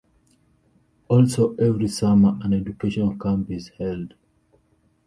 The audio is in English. Also, every summer an educational camp is held.